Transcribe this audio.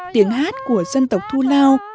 tiếng hát của dân tộc thu lao